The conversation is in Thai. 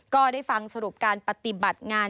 ก็ได้ฟังสรุปการปฏิบัติงาน